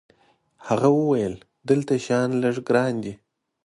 هغه وویل: دلته شیان لږ ګران دي.